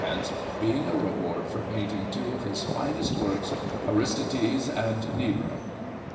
being a reward for painting two of his finest works, * Aristides and Nero.'